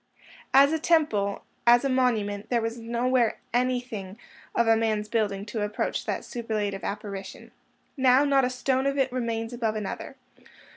As a temple, as a monument, there was nowhere anything of man's building to approach that superlative apparition. Now, not a stone of it remains above another.